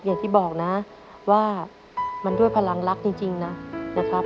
อย่างที่บอกนะว่ามันด้วยพลังรักจริงนะครับ